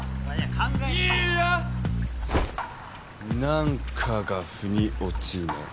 何かがふに落ちねえ。